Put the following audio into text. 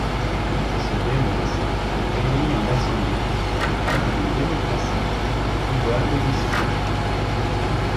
Ce dèmos, réuni en assemblée, a dans une démocratie le pouvoir de décision.